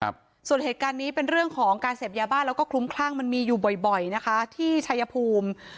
ส่วนเหตุการณ์นี้เป็นเรื่องของการเสพยาบ้าแล้วก็คลุ้มคลั่งมันมีอยู่บ่อยบ่อยนะคะที่ชายภูมิ